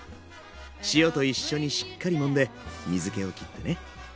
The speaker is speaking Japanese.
塩と一緒にしっかりもんで水けをきってね。